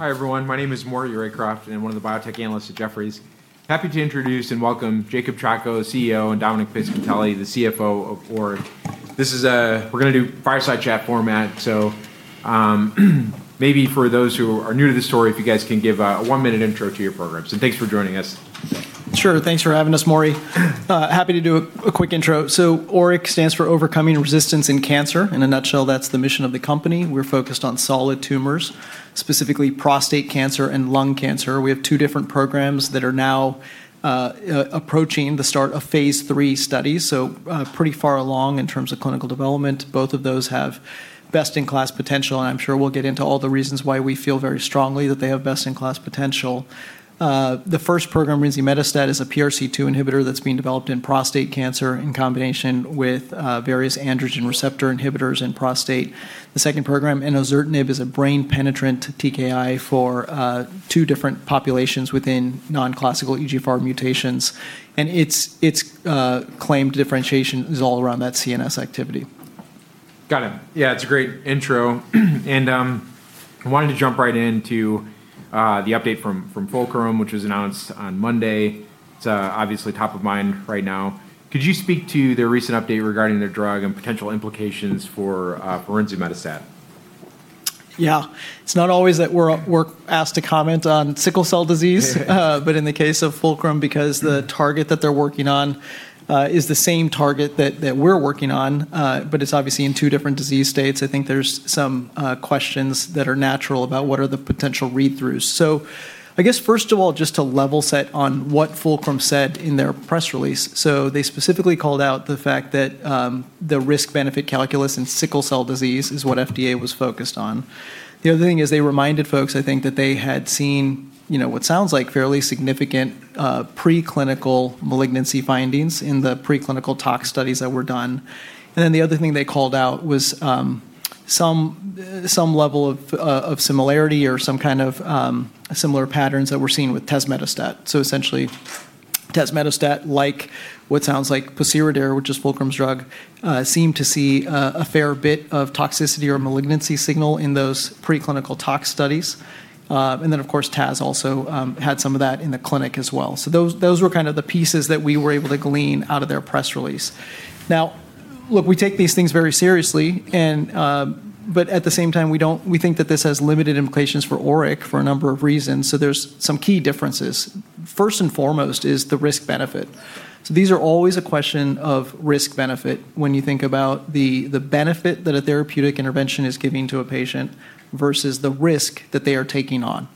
Hi, everyone. My name is Maury Raycroft, and I'm one of the biotech analysts at Jefferies. Happy to introduce and welcome Jacob Chacko, CEO, and Dominic Piscitelli, the CFO of ORIC. We're going to do fireside chat format, so maybe for those who are new to this story, if you guys can give a one-minute intro to your programs, and thanks for joining us. Sure. Thanks for having us, Maury. Happy to do a quick intro. ORIC stands for Overcoming Resistance in Cancer. In a nutshell, that's the mission of the company. We're focused on solid tumors, specifically prostate cancer and lung cancer. We have two different programs that are now approaching the start of phase III studies, so pretty far along in terms of clinical development. Both of those have best-in-class potential, and I'm sure we'll get into all the reasons why we feel very strongly that they have best-in-class potential. The first program, rinzimetostat, is a PRC2 inhibitor that's being developed in prostate cancer in combination with various androgen receptor inhibitors in prostate. The second program, enasertib, is a brain-penetrant TKI for two different populations within non-classical EGFR mutations, and its claimed differentiation is all around that CNS activity. Got it. Yeah, it's a great intro. I wanted to jump right into the update from Fulcrum, which was announced on Monday. It's obviously top of mind right now. Could you speak to their recent update regarding their drug and potential implications for rinzimetostat? Yeah. It's not always that we're asked to comment on sickle cell disease, but in the case of Fulcrum, because the target that they're working on is the same target that we're working on, but it's obviously in two different disease states. I think there's some questions that are natural about what are the potential read-throughs. I guess first of all, just to level set on what Fulcrum said in their press release, so they specifically called out the fact that the risk-benefit calculus in sickle cell disease is what FDA was focused on. The other thing is they reminded folks, I think, that they had seen what sounds like fairly significant preclinical malignancy findings in the preclinical tox studies that were done. The other thing they called out was some level of similarity or some kind of similar patterns that were seen with tazemetostat. Essentially, tazemetostat, like pociredir, which is Fulcrum's drug, seemed to see a fair bit of toxicity or malignancy signal in those preclinical tox studies. Of course, Taz also had some of that in the clinic as well. Those were the pieces that we were able to glean out of their press release. Look, we take these things very seriously, but at the same time, we think that this has limited implications for ORIC for a number of reasons. There's some key differences. First and foremost is the risk-benefit. These are always a question of risk-benefit when you think about the benefit that a therapeutic intervention is giving to a patient versus the risk that they are taking on.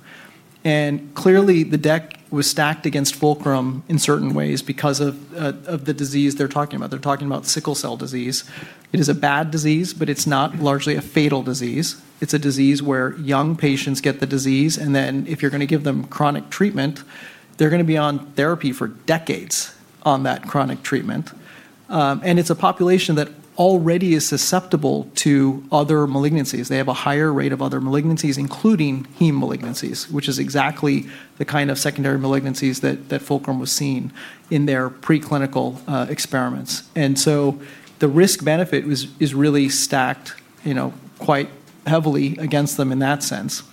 Clearly, the deck was stacked against Fulcrum in certain ways because of the disease they're talking about. They're talking about sickle cell disease. It is a bad disease, but it's not largely a fatal disease. It's a disease where young patients get the disease, and then if you're going to give them chronic treatment, they're going to be on therapy for decades on that chronic treatment. It's a population that already is susceptible to other malignancies. They have a higher rate of other malignancies, including heme malignancies, which is exactly the kind of secondary malignancies that Fulcrum was seeing in their preclinical experiments. The risk-benefit is really stacked quite heavily against them in that sense.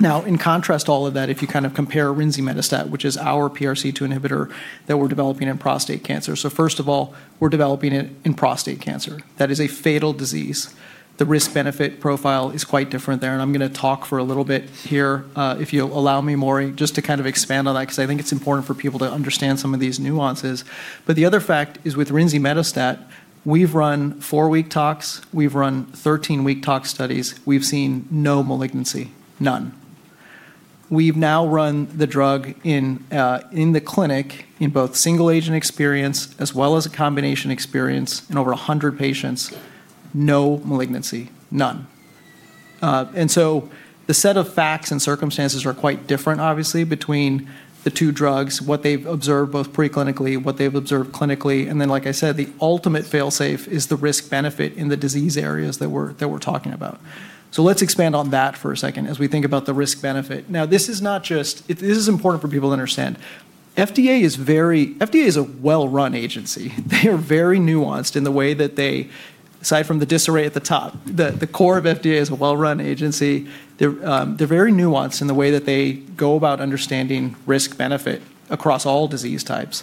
Now, in contrast to all of that, if you compare rinzimetostat, which is our PRC2 inhibitor that we're developing in prostate cancer. First of all, we're developing it in prostate cancer. That is a fatal disease. The risk-benefit profile is quite different there. I'm going to talk for a little bit here, if you'll allow me, Maury, just to expand on that because I think it's important for people to understand some of these nuances. The other fact is with rinzimetostat, we've run four-week tox, we've run 13-week tox studies. We've seen no malignancy. None. We've now run the drug in the clinic in both single-agent experience as well as a combination experience in over 100 patients, no malignancy. None. The set of facts and circumstances are quite different, obviously, between the two drugs, what they've observed both preclinically, what they've observed clinically, and then like I said, the ultimate fail-safe is the risk-benefit in the disease areas that we're talking about. Let's expand on that for a second as we think about the risk-benefit. This is important for people to understand. FDA is a well-run agency. They are very nuanced in the way that, aside from the disarray at the top, the core of FDA is a well-run agency. They're very nuanced in the way that they go about understanding risk-benefit across all disease types.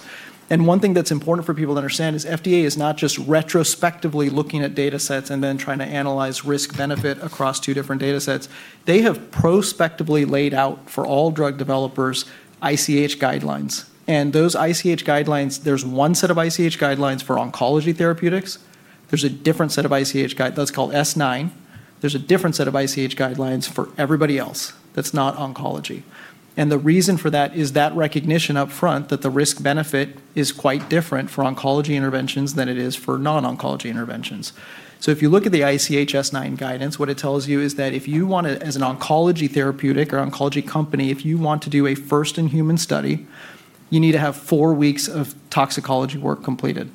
One thing that's important for people to understand is FDA is not just retrospectively looking at data sets and then trying to analyze risk-benefit across two different data sets. They have prospectively laid out for all drug developers ICH guidelines. Those ICH guidelines, there's one set of ICH guidelines for oncology therapeutics. There's a different set of ICH guide that's called S9. There's a different set of ICH guidelines for everybody else that's not oncology. The reason for that is that recognition up front that the risk-benefit is quite different for oncology interventions than it is for non-oncology interventions. If you look at the ICH S9 guidance, what it tells you is that if you want to, as an oncology therapeutic or oncology company, if you want to do a first-in-human study, you need to have four weeks of toxicology work completed.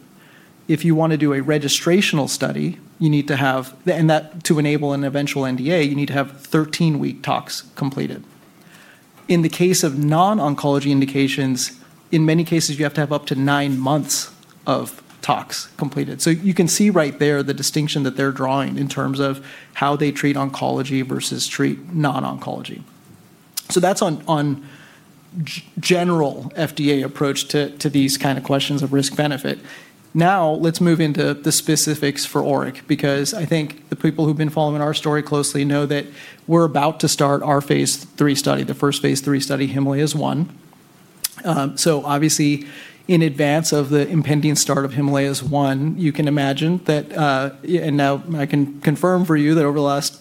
If you want to do a registrational study, and that to enable an eventual NDA, you need to have 13-week tox completed. In the case of non-oncology indications, in many cases, you have to have up to nine months of tox completed. You can see right there the distinction that they're drawing in terms of how they treat oncology versus treat non-oncology. That's on general FDA approach to these kind of questions of risk benefit. Now, let's move into the specifics for ORIC, because I think the people who've been following our story closely know that we're about to start our phase III study, the first phase III study, HIMALAYAS-1. Obviously, in advance of the impending start of HIMALAYAS-1, you can imagine that, and now I can confirm for you that over the last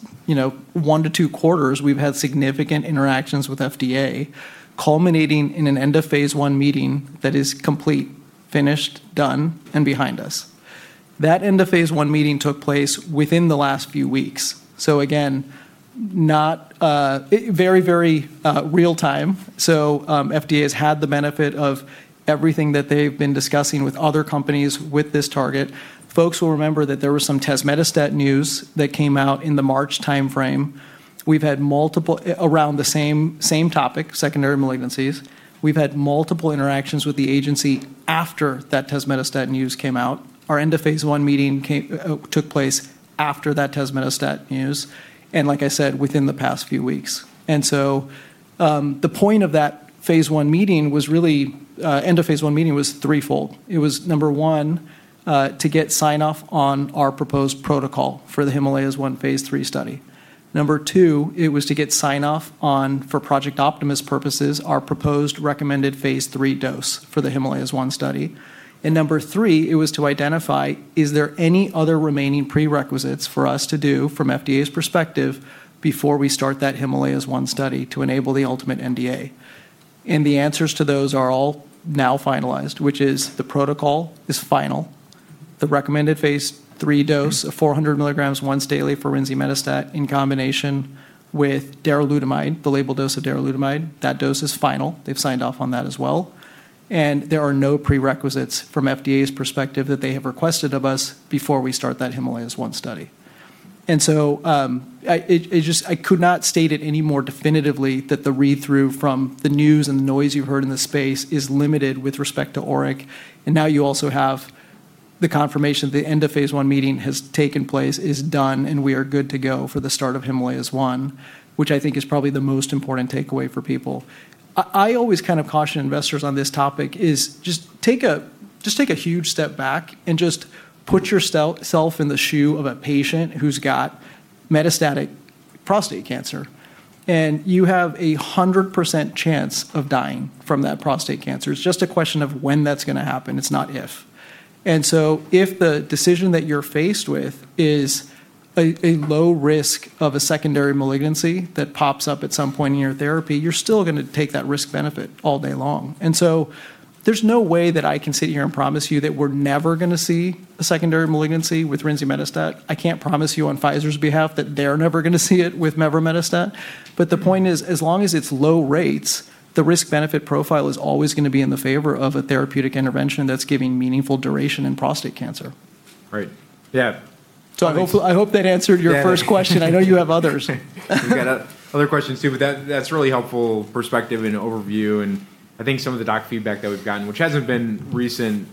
one to two quarters, we've had significant interactions with FDA, culminating in an end of phase I meeting that is complete, finished, done, and behind us. That end of phase I meeting took place within the last few weeks. Again, very real time. FDA has had the benefit of everything that they've been discussing with other companies with this target. Folks will remember that there was some tazemetostat news that came out in the March timeframe around the same topic, secondary malignancies. We've had multiple interactions with the agency after that tazemetostat news came out. Our end of phase I meeting took place after that tazemetostat news, like I said, within the past few weeks. The point of that end of phase I meeting was threefold. It was, number one, to get sign-off on our proposed protocol for the Himalayas-1 phase III study. Number two, it was to get sign-off on, for Project Optimus purposes, our proposed recommended phase III dose for the Himalayas-1 study. Number three, it was to identify, is there any other remaining prerequisites for us to do from FDA's perspective before we start that Himalayas-1 study to enable the ultimate NDA? The answers to those are all now finalized, which is the protocol is final. The recommended phase III dose of 400 mg once daily for rinzimetostat in combination with darolutamide, the label dose of darolutamide, that dose is final. They've signed off on that as well. There are no prerequisites from FDA's perspective that they have requested of us before we start that Himalayas-1 study. I could not state it any more definitively that the read-through from the news and the noise you've heard in the space is limited with respect to ORIC. Now you also have the confirmation that the end of phase I meeting has taken place, is done, and we are good to go for the start of Himalayas-1, which I think is probably the most important takeaway for people. I always caution investors on this topic is just take a huge step back and just put yourself in the shoe of a patient who's got metastatic prostate cancer, and you have 100% chance of dying from that prostate cancer. It's just a question of when that's going to happen, it's not if. If the decision that you're faced with is a low risk of a secondary malignancy that pops up at some point in your therapy, you're still going to take that risk benefit all day long. There's no way that I can sit here and promise you that we're never going to see a secondary malignancy with rinzimetostat. I can't promise you on Pfizer's behalf that they're never going to see it with mevrometostat. The point is, as long as it's low rates, the risk-benefit profile is always going to be in the favor of a therapeutic intervention that's giving meaningful duration in prostate cancer. Right. Yeah. I hope that answered your first question. I know you have others. We've got other questions, too, but that's really helpful perspective and overview. I think some of the doc feedback that we've gotten, which hasn't been recent,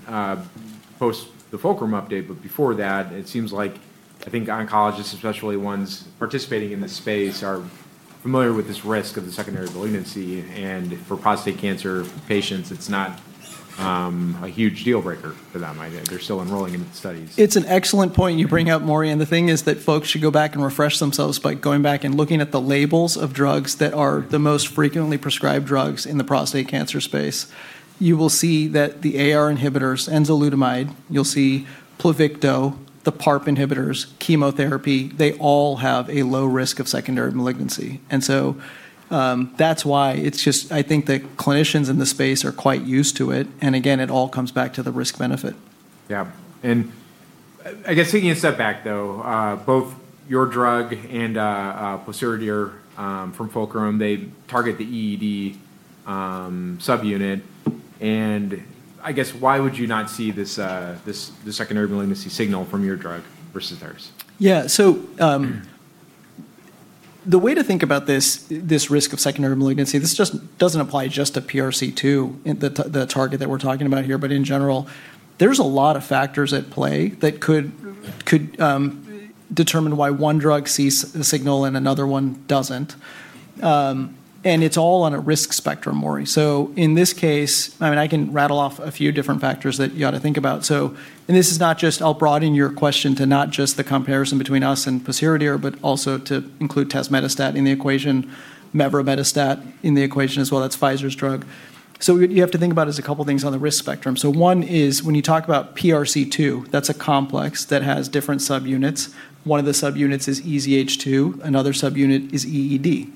post the Fulcrum update, but before that, it seems like, I think oncologists, especially ones participating in this space, are familiar with this risk of the secondary malignancy. For prostate cancer patients, it's not a huge deal breaker for them. They're still enrolling in the studies. It's an excellent point you bring up, Maury, and the thing is that folks should go back and refresh themselves by going back and looking at the labels of drugs that are the most frequently prescribed drugs in the prostate cancer space. You will see that the AR inhibitors, enzalutamide, you'll see Pluvicto, the PARP inhibitors, chemotherapy, they all have a low risk of secondary malignancy. That's why I think that clinicians in the space are quite used to it. Again, it all comes back to the risk benefit. Yeah. I guess taking a step back, though, both your drug and pociredir from Fulcrum, they target the EED subunit. I guess why would you not see the secondary malignancy signal from your drug versus theirs? Yeah. The way to think about this risk of secondary malignancy, this doesn't apply just to PRC2, the target that we're talking about here, but in general, there's a lot of factors at play that could determine why one drug sees a signal and another one doesn't. It's all on a risk spectrum, Maury. In this case, I can rattle off a few different factors that you got to think about. This is not just I'll broaden your question to not just the comparison between us and pociredir, but also to include tazemetostat in the equation, mevrometostat in the equation as well. That's Pfizer's drug. What you have to think about is a couple things on the risk spectrum. One is when you talk about PRC2, that's a complex that has different subunits. One of the subunits is EZH2. Another subunit is EED.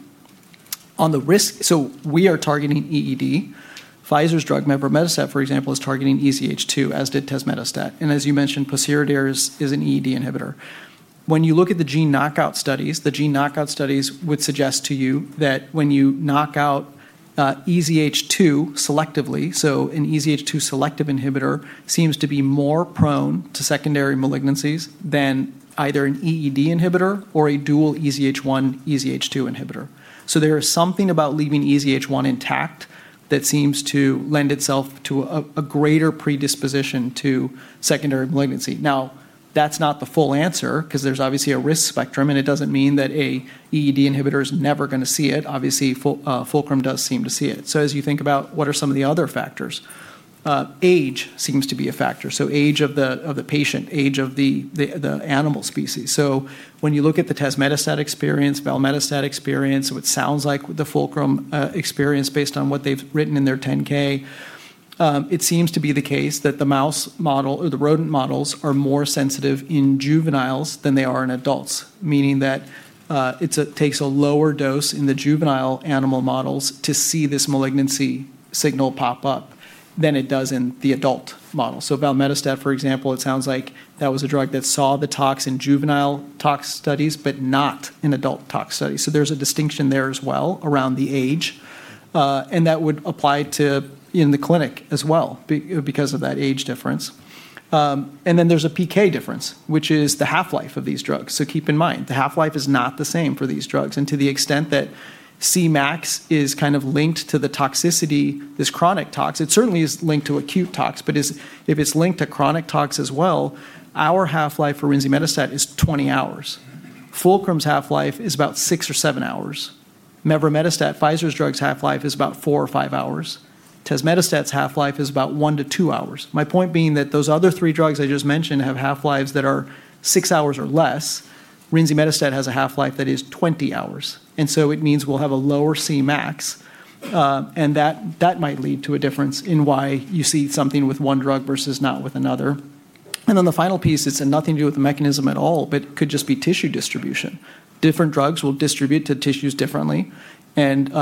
We are targeting EED. Pfizer's drug, mevrometostat, for example, is targeting EZH2, as did tazemetostat. As you mentioned, pociredir is an EED inhibitor. When you look at the gene knockout studies, the gene knockout studies would suggest to you that when you knock out EZH2 selectively, an EZH2 selective inhibitor seems to be more prone to secondary malignancies than either an EED inhibitor or a dual EZH1/EZH2 inhibitor. There is something about leaving EZH1 intact that seems to lend itself to a greater predisposition to secondary malignancy. That's not the full answer because there's obviously a risk spectrum, and it doesn't mean that an EED inhibitor is never going to see it. Fulcrum does seem to see it. As you think about what are some of the other factors, age seems to be a factor. Age of the patient, age of the animal species. When you look at the tazemetostat experience, valemetostat experience, what sounds like the Fulcrum experience based on what they've written in their 10-K, it seems to be the case that the mouse model or the rodent models are more sensitive in juveniles than they are in adults, meaning that it takes a lower dose in the juvenile animal models to see this malignancy signal pop up than it does in the adult model. Valemetostat, for example, it sounds like that was a drug that saw the tox in juvenile tox studies, but not in adult tox studies. There's a distinction there as well around the age, and that would apply in the clinic as well because of that age difference. There's a PK difference, which is the half-life of these drugs. Keep in mind, the half-life is not the same for these drugs, and to the extent that Cmax is kind of linked to the toxicity, this chronic tox, it certainly is linked to acute tox, but if it's linked to chronic tox as well, our half-life for rinzimetostat is 20 hours. Fulcrum's half-life is about six or seven hours. Mevrometostat, Pfizer's drug's half-life is about four or five hours. Tazemetostat's half-life is about one to two hours. My point being that those other three drugs I just mentioned have half-lives that are six hours or less. Rinzimetostat has a half-life that is 20 hours. It means we'll have a lower Cmax, and that might lead to a difference in why you see something with one drug versus not with another. The final piece, it's nothing to do with the mechanism at all, but could just be tissue distribution. Different drugs will distribute to tissues differently and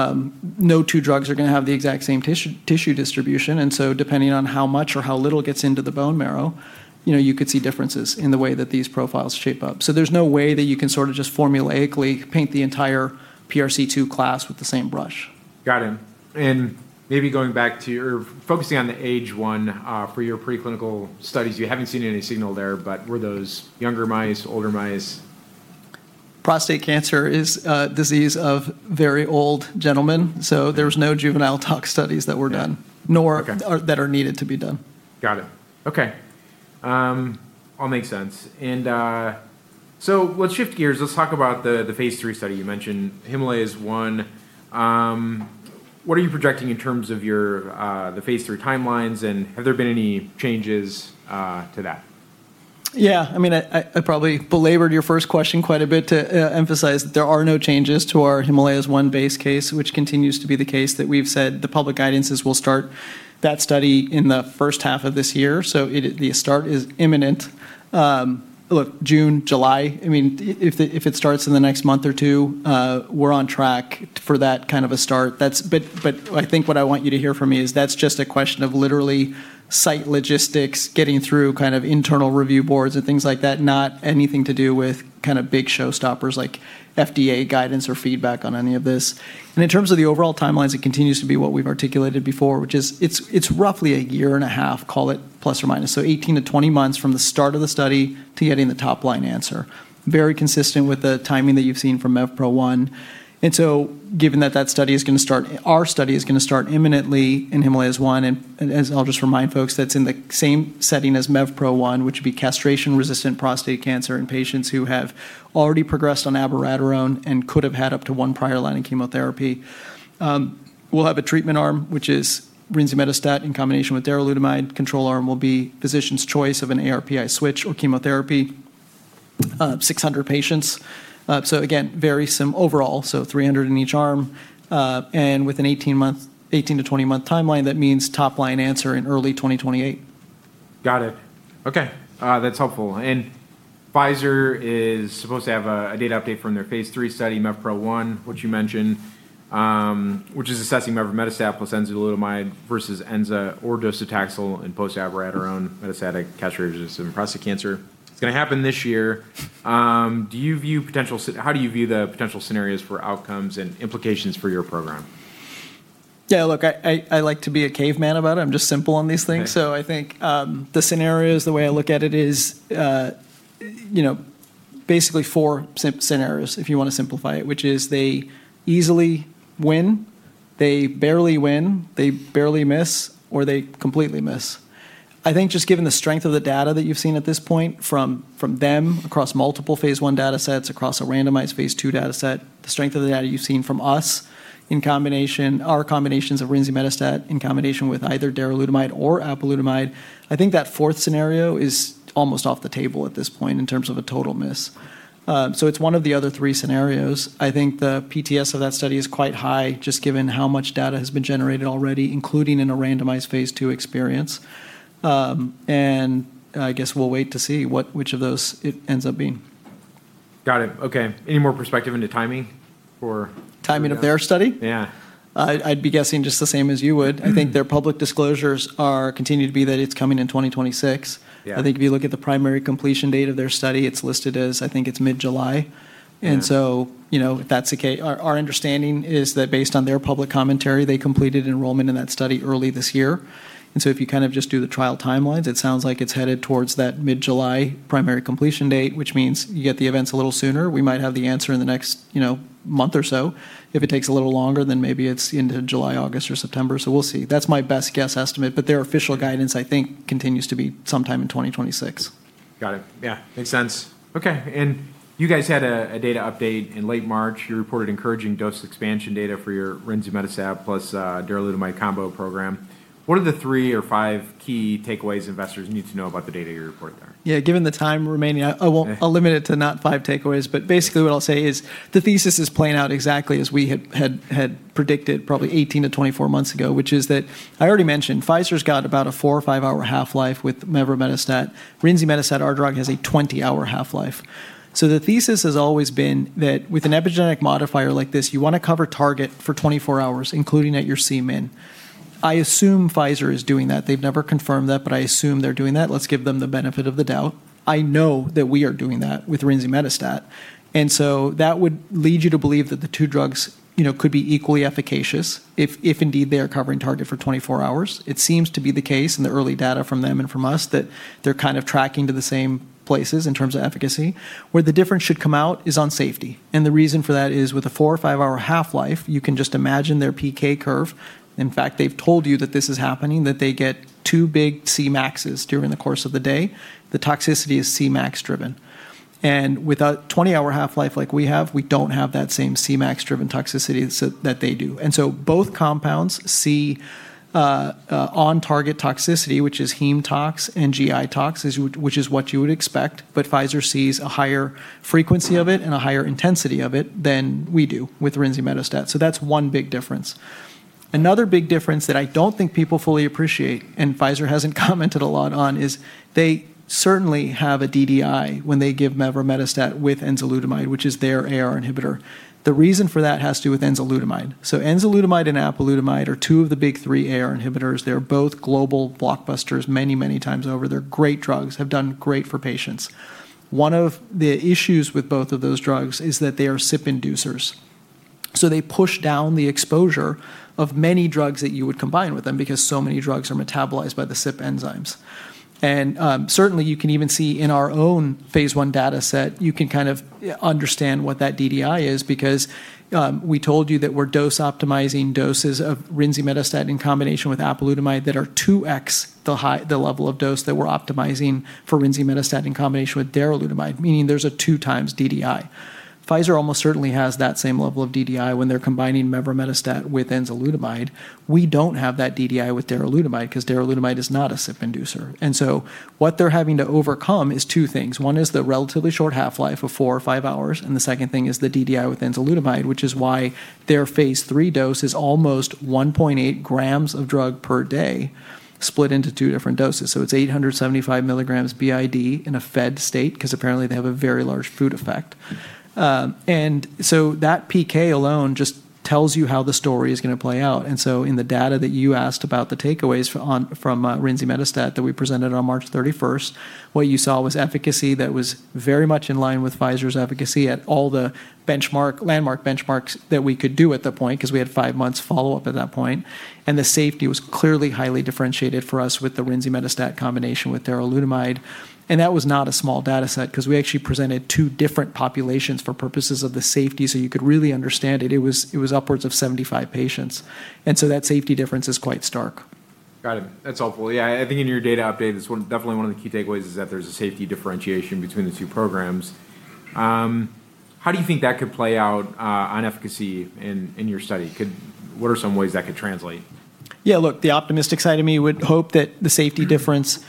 no two drugs are going to have the exact same tissue distribution. Depending on how much or how little gets into the bone marrow, you could see differences in the way that these profiles shape up. There's no way that you can sort of just formulaically paint the entire PRC2 class with the same brush. Got it. Maybe going back to your focusing on the age one, for your preclinical studies, you haven't seen any signal there, but were those younger mice, older mice? Prostate cancer is a disease of very old gentlemen, so there's no juvenile tox studies that were done- Yeah. Okay. ...nor that are needed to be done. Got it. Okay. All makes sense. Let's shift gears. Let's talk about the phase III study you mentioned, HIMALAYA. What are you projecting in terms of the phase III timelines, and have there been any changes to that? Yeah, I probably belabored your first question quite a bit to emphasize that there are no changes to our HIMALAYA base case, which continues to be the case that we've said the public guidance is we'll start that study in the first half of this year. The start is imminent. Look, June, July, if it starts in the next month or two, we're on track for that kind of a start. I think what I want you to hear from me is that's just a question of literally site logistics, getting through internal review boards and things like that, not anything to do with big showstoppers like FDA guidance or feedback on any of this. In terms of the overall timelines, it continues to be what we've articulated before, which is it's roughly a year and a half, call it, plus or minus, so 18-20 months from the start of the study to getting the top-line answer. Very consistent with the timing that you've seen from MEVPRO-1. Given that Our study is going to start imminently in HIMALAYA, as I'll just remind folks, that's in the same setting as MEVPRO-1, which would be castration-resistant prostate cancer in patients who have already progressed on abiraterone and could have had up to one prior line of chemotherapy. We'll have a treatment arm, which is rinzimetostat in combination with darolutamide. Control arm will be physician's choice of an ARPi switch or chemotherapy, 600 patients. Again, very sim overall, so 300 in each arm. With an 18-20-month timeline, that means top-line answer in early 2028. Got it. Okay. That's helpful. Pfizer is supposed to have a data update from their phase III study, MEVPRO-1, which you mentioned, which is assessing mevrometostat plus enzalutamide versus enza or docetaxel in post-abiraterone metastatic castration-resistant prostate cancer. It's going to happen this year. How do you view the potential scenarios for outcomes and implications for your program? Yeah, look, I like to be a caveman about it. I'm just simple on these things. Okay. I think the scenarios, the way I look at it is basically four scenarios, if you want to simplify it, which is they easily win, they barely win, they barely miss, or they completely miss. I think just given the strength of the data that you've seen at this point from them across multiple phase I data sets, across a randomized phase II data set, the strength of the data you've seen from us in combination, our combinations of rinzimetostat in combination with either darolutamide or apalutamide, I think that fourth scenario is almost off the table at this point in terms of a total miss. It's one of the other three scenarios. I think the PTS of that study is quite high, just given how much data has been generated already, including in a randomized phase II experience. I guess we'll wait to see which of those it ends up being. Got it. Okay. Any more perspective into timing? For timing of their study? Yeah. I'd be guessing just the same as you would. I think their public disclosures continue to be that it's coming in 2026. Yeah. I think if you look at the primary completion date of their study, it's listed as, I think it's mid-July. Yeah. If that's the case, our understanding is that based on their public commentary, they completed enrollment in that study early this year. If you just do the trial timelines, it sounds like it's headed towards that mid-July primary completion date, which means you get the events a little sooner. We might have the answer in the next month or so. If it takes a little longer, then maybe it's into July, August, or September, so we'll see. That's my best guess estimate, but their official guidance, I think, continues to be sometime in 2026. Got it. Yeah. Makes sense. Okay, you guys had a data update in late March. You reported encouraging dose expansion data for your rinzimetostat plus darolutamide combo program. What are the three or five key takeaways investors need to know about the data you report there? Yeah, given the time remaining, I won't. Okay I'll limit it to not five takeaways, but basically what I'll say is the thesis is playing out exactly as we had predicted probably 18-24 months ago, which is that I already mentioned Pfizer's got about a four or five-hour half-life with mevrometostat. Rinzimetostat, our drug, has a 20-hour half-life. The thesis has always been that with an epigenetic modifier like this, you want to cover target for 24 hours, including at your Cmin. I assume Pfizer is doing that. They've never confirmed that, but I assume they're doing that. Let's give them the benefit of the doubt. I know that we are doing that with rinzimetostat, and so that would lead you to believe that the two drugs could be equally efficacious if indeed they are covering target for 24 hours. It seems to be the case in the early data from them and from us that they're tracking to the same places in terms of efficacy. Where the difference should come out is on safety, and the reason for that is with a four or five-hour half-life, you can just imagine their PK curve. In fact, they've told you that this is happening, that they get two big Cmaxes during the course of the day. The toxicity is Cmax-driven. With a 20-hour half-life like we have, we don't have that same Cmax-driven toxicity that they do. Both compounds see on-target toxicity, which is heme tox and GI tox, which is what you would expect, but Pfizer sees a higher frequency of it and a higher intensity of it than we do with rinzimetostat. That's one big difference. Another big difference that I don't think people fully appreciate, Pfizer hasn't commented a lot on, is they certainly have a DDI when they give mevrometostat with enzalutamide, which is their AR inhibitor. The reason for that has to do with enzalutamide. Enzalutamide and apalutamide are two of the big three AR inhibitors. They're both global blockbusters many, many times over. They're great drugs, have done great for patients. One of the issues with both of those drugs is that they are CYP inducers, so they push down the exposure of many drugs that you would combine with them because so many drugs are metabolized by the CYP enzymes. Certainly, you can even see in our own phase I data set, you can understand what that DDI is because we told you that we're dose optimizing doses of rinzimetostat in combination with apalutamide that are 2x the level of dose that we're optimizing for rinzimetostat in combination with darolutamide, meaning there's a 2x DDI. Pfizer almost certainly has that same level of DDI when they're combining mevrometostat with enzalutamide. We don't have that DDI with darolutamide because darolutamide is not a CYP inducer. What they're having to overcome is two things. One is the relatively short half-life of four or five hours, and the second thing is the DDI with enzalutamide, which is why their phase III dose is almost 1.8 g of drug per day split into two different doses. It's 875 mg BID in a fed state because apparently they have a very large food effect. That PK alone just tells you how the story is going to play out. In the data that you asked about the takeaways from rinzimetostat that we presented on March 31st, what you saw was efficacy that was very much in line with Pfizer's efficacy at all the benchmark, landmark benchmarks that we could do at that point because we had five months follow-up at that point, and the safety was clearly highly differentiated for us with the rinzimetostat combination with darolutamide. That was not a small data set because we actually presented two different populations for purposes of the safety, so you could really understand it. It was upwards of 75 patients. That safety difference is quite stark. Got it. That's helpful. Yeah. I think in your data update, definitely one of the key takeaways is that there's a safety differentiation between the two programs. How do you think that could play out on efficacy in your study? What are some ways that could translate? Look, the optimistic side of me would hope that the safety difference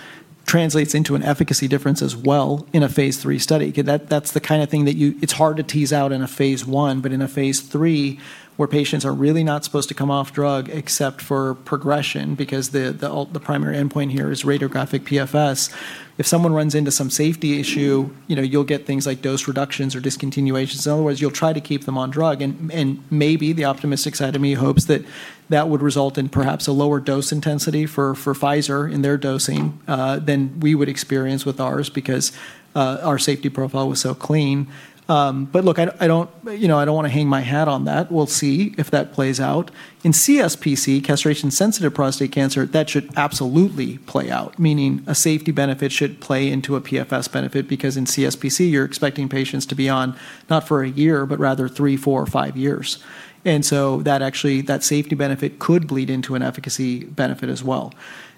translates into an efficacy difference as well in a phase III study. That's the kind of thing that it's hard to tease out in a phase I, but in a phase III, where patients are really not supposed to come off drug except for progression because the primary endpoint here is radiographic PFS. If someone runs into some safety issue, you'll get things like dose reductions or discontinuations. Otherwise, you'll try to keep them on drug, and maybe the optimistic side of me hopes that that would result in perhaps a lower dose intensity for Pfizer in their dosing than we would experience with ours because our safety profile was so clean. Look, I don't want to hang my hat on that, we'll see if that plays out. In CSPC, castration-sensitive prostate cancer, that should absolutely play out, meaning a safety benefit should play into a PFS benefit because in CSPC, you're expecting patients to be on not for a year, but rather three, four, or five years. That actually, that safety benefit could bleed into an efficacy benefit as well.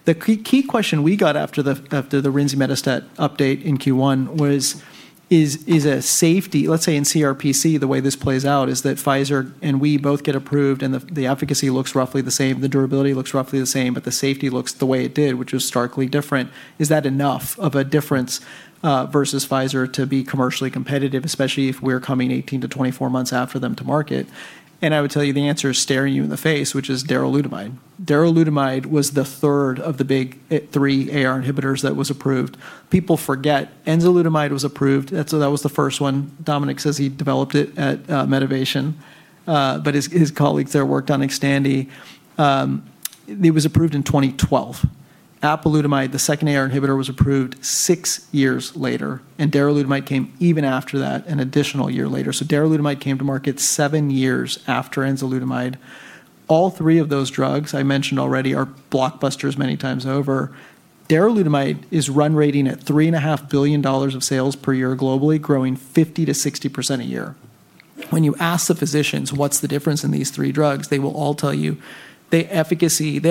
The key question we got after the rinzimetostat update in Q1 was. Let's say in CRPC, the way this plays out is that Pfizer and we both get approved and the efficacy looks roughly the same, the durability looks roughly the same, but the safety looks the way it did, which was starkly different, is that enough of a difference, versus Pfizer, to be commercially competitive, especially if we're coming 18-24 months after them to market? I would tell you the answer is staring you in the face, which is darolutamide. Darolutamide was the third of the big three AR inhibitors that was approved. People forget enzalutamide was approved, that was the first one. Dominic says he developed it at Medivation, his colleagues there worked on Xtandi. It was approved in 2012. Apalutamide, the second AR inhibitor, was approved six years later, darolutamide came even after that, an additional year later. Darolutamide came to market seven years after enzalutamide. All three of those drugs I mentioned already are blockbusters many times over. Darolutamide is run rating at $3.5 billion of sales per year globally, growing 50%-60% a year. When you ask the physicians what's the difference in these three drugs, they will all tell you they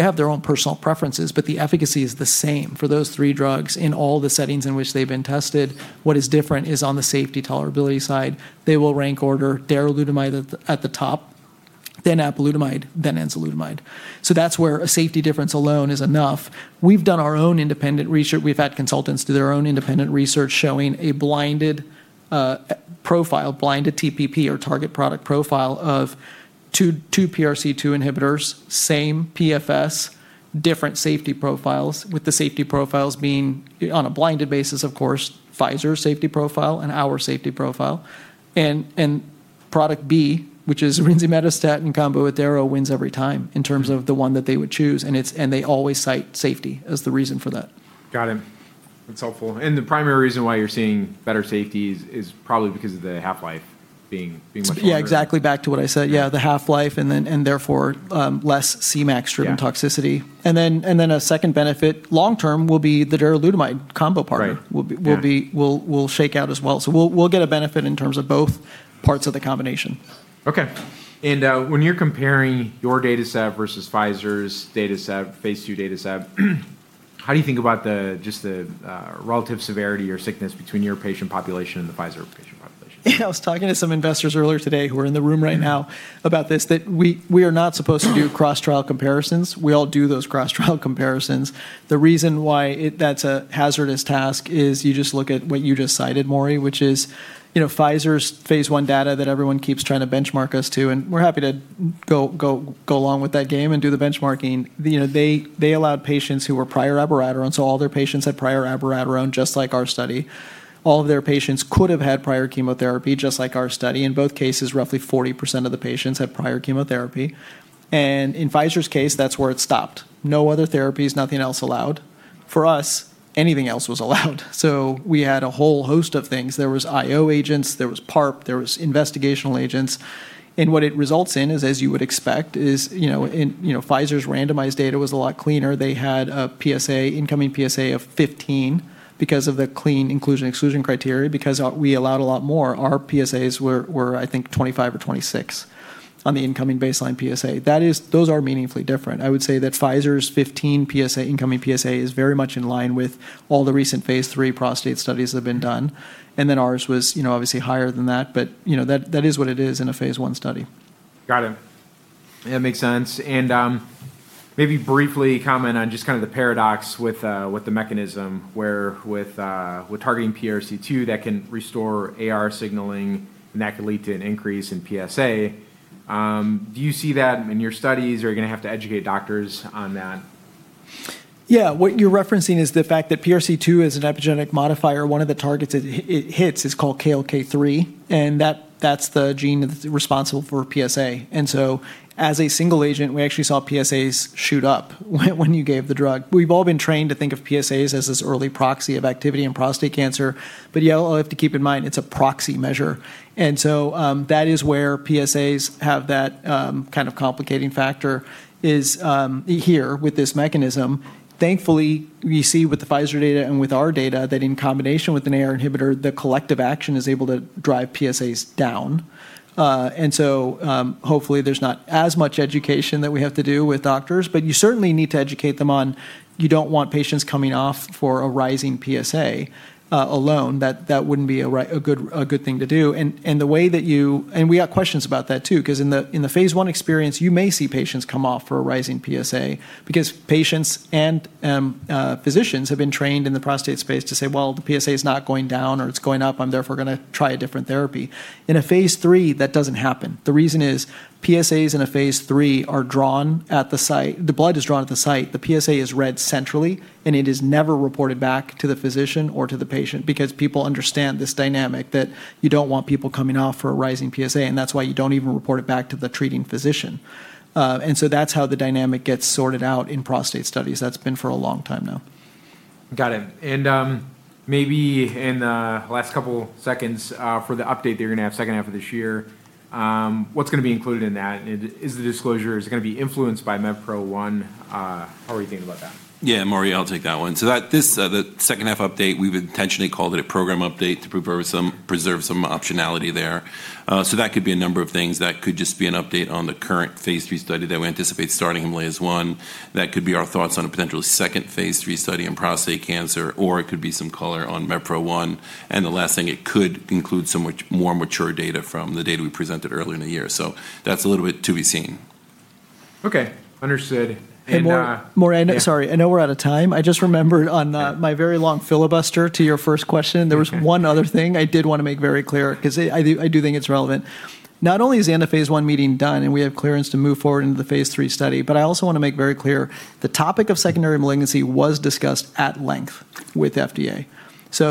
have their own personal preferences, but the efficacy is the same for those three drugs in all the settings in which they've been tested. What is different is on the safety tolerability side, they will rank order darolutamide at the top, then apalutamide, then enzalutamide. That's where a safety difference alone is enough. We've done our own independent research. We've had consultants do their own independent research showing a blinded TPP or target product profile of two PRC2 inhibitors, same PFS, different safety profiles, with the safety profiles being, on a blinded basis, of course, Pfizer safety profile and our safety profile. Product B, which is rinzimetostat in combo with daro, wins every time in terms of the one that they would choose, and they always cite safety as the reason for that. Got it. That's helpful. The primary reason why you're seeing better safety is probably because of the half-life being much longer. Yeah, exactly. Back to what I said. Yeah, the half-life and therefore, less Cmax-driven- Yeah ...toxicity. A second benefit long term will be the darolutamide combo partner- Right. Yeah. will shake out as well. We'll get a benefit in terms of both parts of the combination. Okay. When you're comparing your data set versus Pfizer's data set, phase II data set, how do you think about just the relative severity or sickness between your patient population and the Pfizer patient population? I was talking to some investors earlier today who are in the room right now about this, that we are not supposed to do cross-trial comparisons. We all do those cross-trial comparisons. The reason why that's a hazardous task is you just look at what you just cited, Maury, which is Pfizer's phase I data that everyone keeps trying to benchmark us to, and we're happy to go along with that game and do the benchmarking. They allowed patients who were prior abiraterone, so all their patients had prior abiraterone, just like our study. All of their patients could've had prior chemotherapy, just like our study. In both cases, roughly 40% of the patients had prior chemotherapy. And in Pfizer's case, that's where it stopped. No other therapies, nothing else allowed. For us, anything else was allowed. We had a whole host of things. There was IO agents, there was PARP, there was investigational agents, and what it results in is, as you would expect, is Pfizer's randomized data was a lot cleaner. They had a incoming PSA of 15 because of the clean inclusion/exclusion criteria. Because we allowed a lot more, our PSAs were, I think, 25 or 26 on the incoming baseline PSA. Those are meaningfully different. I would say that Pfizer's 15 incoming PSA is very much in line with all the recent phase III prostate studies that have been done, and then ours was obviously higher than that, but that is what it is in a phase I study. Got it. Yeah, makes sense. Maybe briefly comment on just kind of the paradox with the mechanism where with targeting PRC2, that can restore AR signaling, and that could lead to an increase in PSA. Do you see that in your studies? Are you going to have to educate doctors on that? Yeah. What you're referencing is the fact that PRC2 is an epigenetic modifier. One of the targets it hits is called KLK3, and that's the gene responsible for PSA. As a single agent, we actually saw PSAs shoot up when you gave the drug. We've all been trained to think of PSAs as this early proxy of activity in prostate cancer. You all have to keep in mind, it's a proxy measure. That is where PSAs have that kind of complicating factor, is here with this mechanism. Thankfully, we see with the Pfizer data and with our data that in combination with an AR inhibitor, the collective action is able to drive PSAs down. Hopefully there's not as much education that we have to do with doctors, but you certainly need to educate them on you don't want patients coming off for a rising PSA alone. That wouldn't be a good thing to do. We got questions about that, too, because in the phase I experience, you may see patients come off for a rising PSA because patients and physicians have been trained in the prostate space to say, well, the PSA is not going down, or, it's going up. I'm therefore going to try a different therapy. In a phase III, that doesn't happen. The reason is PSAs in a phase III are drawn at the site. The blood is drawn at the site. The PSA is read centrally, and it is never reported back to the physician or to the patient because people understand this dynamic that you don't want people coming off for a rising PSA, and that's why you don't even report it back to the treating physician. That's how the dynamic gets sorted out in prostate studies. That's been for a long time now. Got it. Maybe in the last couple seconds, for the update that you're going to have second half of this year, what's going to be included in that? Is the disclosure, is it going to be influenced by MEVPRO-1? How are we thinking about that? Yeah, Maury, I'll take that one. The second-half update, we've intentionally called it a program update to preserve some optionality there. That could be a number of things. That could just be an update on the current phase III study that we anticipate starting Himalayas-1. That could be our thoughts on a potential second phase III study in prostate cancer, or it could be some color on MEVPRO-1. The last thing, it could include some more mature data from the data we presented earlier in the year. That's a little bit to be seen. Okay. Understood. Maury, sorry, I know we're out of time. Yeah. I just remembered my very long filibuster to your first question. Okay. There was one other thing I did want to make very clear because I do think it's relevant. Not only is the end of phase I meeting done and we have clearance to move forward into the phase III study, but I also want to make very clear the topic of secondary malignancy was discussed at length with FDA.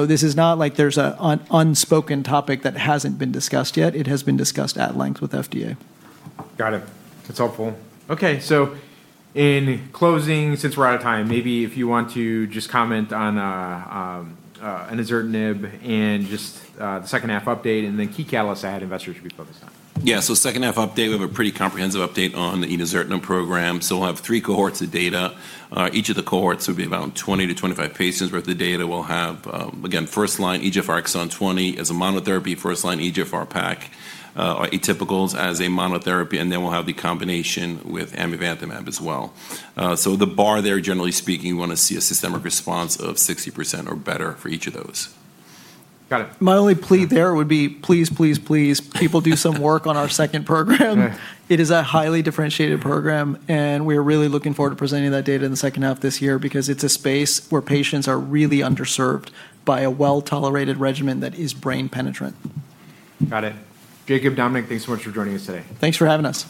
This is not like there's an unspoken topic that hasn't been discussed yet. It has been discussed at length with FDA. Got it. That's helpful. Okay, in closing, since we're out of time, maybe if you want to just comment on enozertinib and just the second-half update and then key catalysts I had investors should be focused on. Second-half update, we have a pretty comprehensive update on the enasertib program, we'll have three cohorts of data. Each of the cohorts will be around 20-25 patients worth of data. We'll have, again, first line EGFR exon 20 as a monotherapy, first line EGFR atypicals as a monotherapy, and then we'll have the combination with amivantamab as well. The bar there, generally speaking, we want to see a systemic response of 60% or better for each of those. Got it. My only plea there would be please, please, people do some work on our second program. Okay. It is a highly differentiated program, and we are really looking forward to presenting that data in the second half of this year because it's a space where patients are really underserved by a well-tolerated regimen that is brain penetrant. Got it. Jacob, Dominic, thanks so much for joining us today. Thanks for having us.